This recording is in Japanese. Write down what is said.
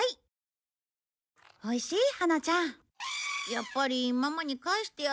やっぱりママに帰してやったら？